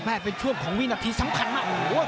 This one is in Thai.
เป็นช่วงของวินาทีสำคัญมาก